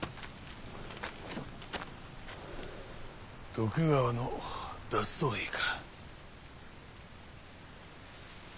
徳川の脱走兵か？